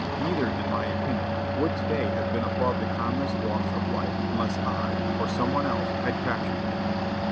Neither, in my opinion, would to day have been above the commonest walks of life unless I, or some one else, had captured him.